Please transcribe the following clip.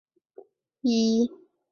全联实业股份有限公司